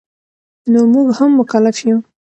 نو مونږ هم مکلف یو